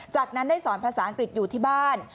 จากนั้นได้สอนภาษาอังกฤษอยู่ที่บ้าน